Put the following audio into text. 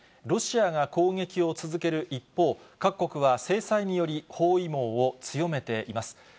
ロシアが攻撃を続ける一方、各国は制裁により、包囲網を強めています。